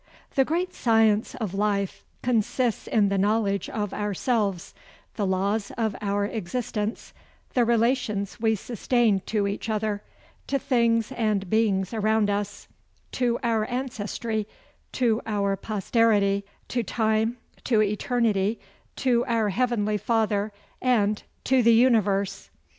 The great science of life consists in the knowledge of ourselves, the laws of our existence, the relations we sustain to each other, to things and beings around us, to our ancestry, to our posterity, to time, to eternity, to our heavenly Father, and to the universe.